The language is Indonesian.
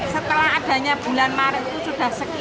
setelah adanya bulan maret itu sudah sekian